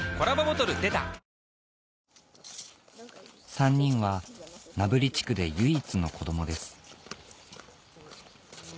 ３人は名振地区で唯一の子供です